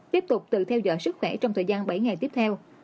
tiếp tục tự theo dõi sức khỏe trong thời gian bảy ngày tiếp theo